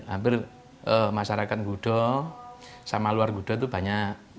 hampir masyarakat gudul sama luar gudul itu banyak